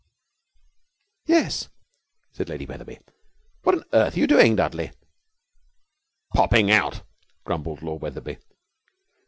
'Yes,' said Lady Wetherby. 'What on earth are you doing, Dudley?' 'Popping out!' grumbled Lord Wetherby.